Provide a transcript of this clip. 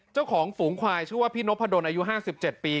เจ้าของฝูงควายชื่อว่าพี่นพดนอายุห้างสิบเจ็ดปี